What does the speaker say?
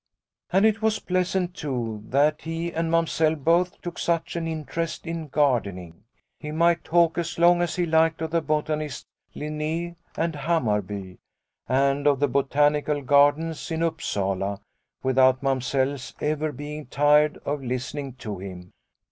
" And it was pleasant, too, that he and Mamsell both took such an interest in gar dening. He might talk as long as he liked of the botanists, Linne and Hammarby, and of the Botanical Gardens in Upsala, without Mamsell's ever being tired of listening to him.